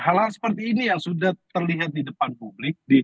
hal hal seperti ini yang sudah terlihat di depan publik